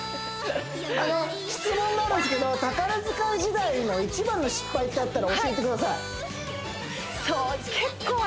あの質問なんですけど宝塚時代の一番の失敗ってあったら教えてください